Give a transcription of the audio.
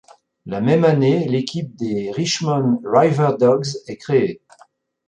La même année l'équipe des Richmond Riverdogs est créée.